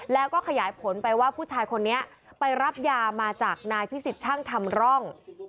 แล้วก็ขยายผลไปว่าผู้ชายคนนี้ไปรับยามาจากนายพิสิทธิ์ช่างทำร่อง